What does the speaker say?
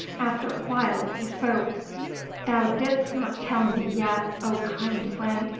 After a while he spoke: "Thou didst not tell me yet, O kind friend!"